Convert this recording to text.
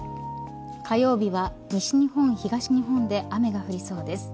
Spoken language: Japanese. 火曜日は西日本、東日本で雨が降りそうです。